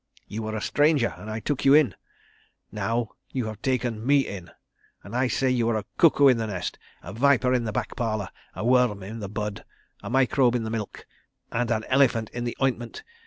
You were a stranger, and I took you in. ... Now you have taken me in—and I say you are a cuckoo in the nest, a viper in the back parlour, a worm in the bud, a microbe in the milk, and an elephant in the ointment.